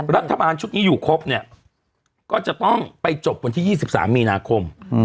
รัฐบาลชุดนี้อยู่ครบเนี่ยก็จะต้องไปจบวันที่๒๓มีนาคม